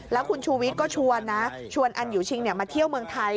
แล้วคุณชูวิทย์ก็ชวนนะชวนอันยูชิงมาเที่ยวเมืองไทย